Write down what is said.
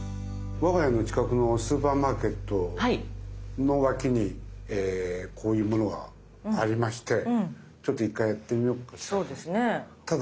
我が家の近くのスーパーマーケットの脇にこういうものがありましてちょっと１回やってみようかなと。